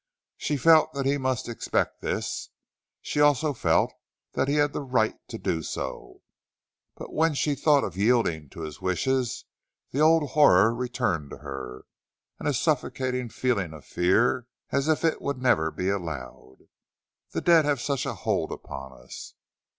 She felt that he must expect this; she also felt that he had the right to do so; but when she thought of yielding to his wishes, the old horror returned to her, and a suffocating feeling of fear, as if it would never be allowed. The dead have such a hold upon us.